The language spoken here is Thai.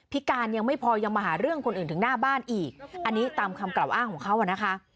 การยังไม่พอยังมาหาเรื่องคนอื่นถึงหน้าบ้านอีกอันนี้ตามคำกล่าวอ้างของเขาอ่ะนะคะ